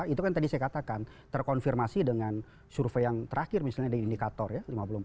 itu kan tadi saya katakan terkonfirmasi dengan survei yang terakhir misalnya dari indikator ya